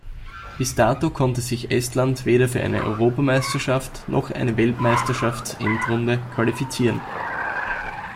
Bis dato konnte sich Estland weder für eine Europameisterschaft- noch eine Weltmeisterschaftsendrunde qualifizieren.